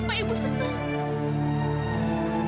supaya ibu senang